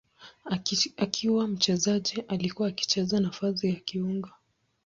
Akiwa mchezaji alikuwa akicheza nafasi ya kiungo.